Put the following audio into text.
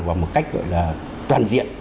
và một cách gọi là toàn diện